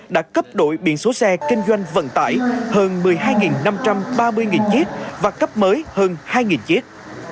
đã cấp đổi biển số xe kinh doanh vận tải hơn một mươi hai năm trăm ba mươi chiếc và cấp mới hơn hai chiếc